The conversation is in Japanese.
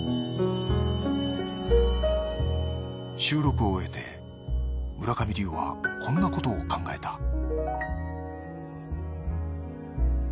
収録を終えて村上龍はこんなことを考えた